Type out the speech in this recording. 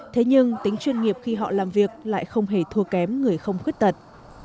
thế nhưng tính chuyên nghiệp khi họ làm việc lại không hề thua kém người không khuyết tật